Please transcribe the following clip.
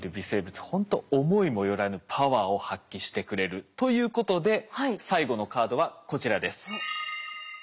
ほんと思いもよらぬパワーを発揮してくれるということで最後のカードはこちらです。